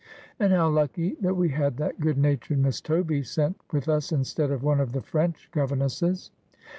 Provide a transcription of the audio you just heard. ' And how lucky that we had that good natured Miss Toby sent with us instead of one of the French governesses.'